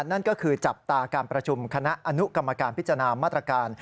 นั่นก็คือจับตาการประชุมคณะอนุกรรมการพิจารณามาตรการ